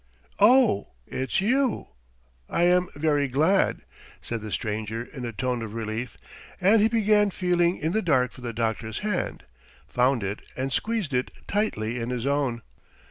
"Oh, it's you? I am very glad," said the stranger in a tone of relief, and he began feeling in the dark for the doctor's hand, found it and squeezed it tightly in his own.